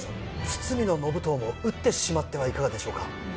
堤信遠も討ってしまってはいかがでしょうか。